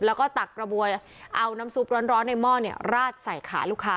แล้วก็ตักกระบวยเอาน้ำซุปร้อนในหม้อเนี่ยราดใส่ขาลูกค้า